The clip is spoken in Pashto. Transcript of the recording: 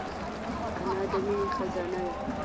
انا د مینې خزانه ده